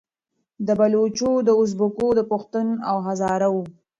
د بــــلوچـــو، د اُزبـــــــــــــــــکو، د پــــښــــتــــون او هـــــزاره وو